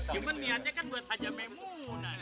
cuman niatnya kan buat haji memunai